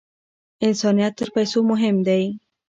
انسانیت تر پیسو مهم دی.